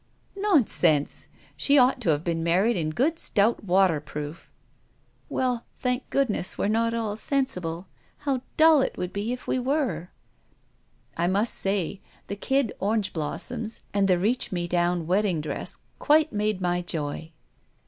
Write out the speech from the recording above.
a Nonsense ! she ought to have been mar ried in a good stout waterproof." " Oh, thank goodness we're not all sensible. How dull it would be if we were." " Well, I must say the kid orange blossoms and the reach me down wedding dress quite ' made my joy.'